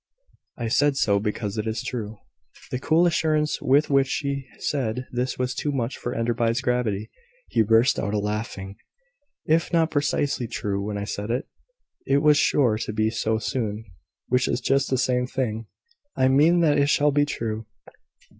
"I said so, because it is true." The cool assurance with which she said this was too much for Enderby's gravity. He burst out a laughing. "If not precisely true when I said it, it was sure to be so soon; which is just the same thing. I mean that it shall be true.